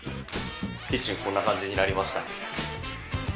キッチンこんな感じになりましたね。